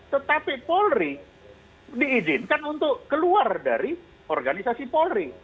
tetapi polri diizinkan untuk keluar dari organisasi polri